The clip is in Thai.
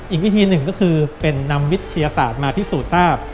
อีกวิธีหนึ่งก็คือเป็นนำวิทยาศาสตร์มาพิสูจน์ทราบ